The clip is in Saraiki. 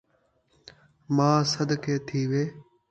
ماء صدقے تھیوے